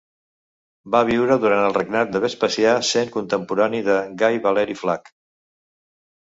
Va viure durant el regnat de Vespasià, sent contemporani de Gai Valeri Flac.